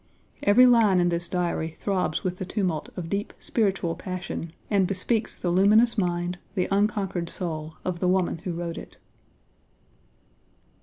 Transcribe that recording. Every line in this Diary throbs with the tumult of deep spiritual passion, and bespeaks the luminous mind, the unconquered soul, of the woman who wrote it.